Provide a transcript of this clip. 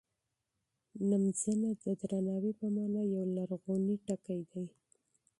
نمځنه د احترام په مانا یو لرغونی لفظ دی.